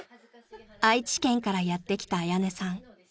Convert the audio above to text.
［愛知県からやって来た彩音さん］